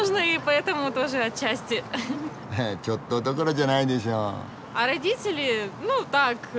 あはちょっとどころじゃないでしょ。